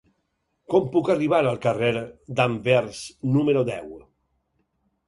Com puc arribar al carrer d'Anvers número deu?